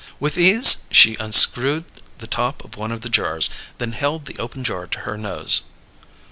With ease she unscrewed the top of one of the jars; then held the open jar to her nose.